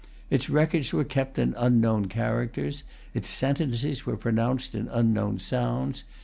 Its records were kept in unknown characters; its sentences were pronounced in unknown sounds.